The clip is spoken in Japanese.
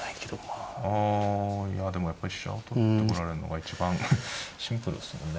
あいやでもやっぱり飛車を取ってこられんのが一番シンプルっすもんね。